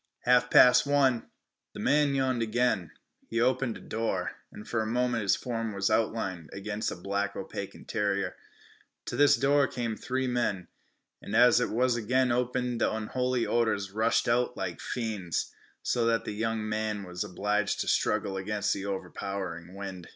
"Half past one." The man yawned again. He opened a door, and for a moment his form was outlined against a black, opaque interior. To this door came the three men, and as it was again opened the unholy odors rushed out like fiends, so that the young man was obliged to struggle as against an overpowering wind.